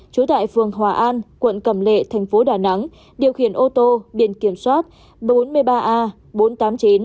trú tại phường hòa an quận cầm lệ thành phố đà nẵng điều khiển ô tô biển kiểm soát bốn mươi ba a bốn trăm tám mươi chín